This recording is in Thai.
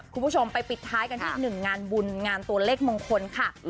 คุณผู้ชมไปปิดท้ายกันที่อีกหนึ่งงานบุญงานตัวเลขมงคลค่ะ